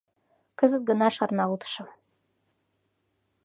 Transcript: Кызыт гына шарналтышым.